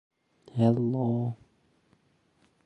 Saint Chad's is the old parish church in Farndon.